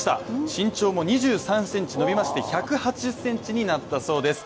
身長も２３センチ伸びまして１８０センチになったそうです。